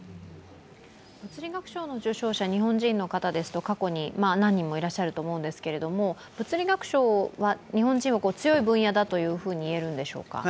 物理学賞の受賞者日本人の方ですと、過去に何人もいらっしゃると思うんですけど、物理学賞は日本人は強い分野だといえるんでしょうか。